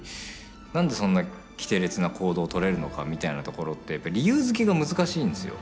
何でそんなきてれつな行動をとれるのかみたいなところって理由づけが難しいんですよ。